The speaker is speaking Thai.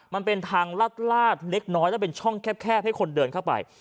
มันเป็นทางลาดเล็กน้อยแล้วเป็นช่องแคบให้คนเดินเข้าไป